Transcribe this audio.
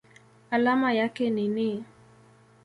Alama yake ni Ni.